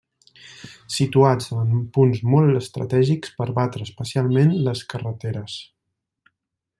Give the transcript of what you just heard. Situats en punts molt estratègics per batre especialment les carreteres.